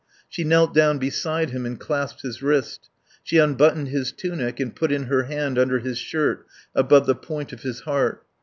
She knelt down beside him and clasped his wrist; she unbuttoned his tunic and put in her hand under his shirt above the point of his heart.